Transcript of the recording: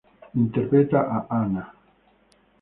Interpreta a Anna.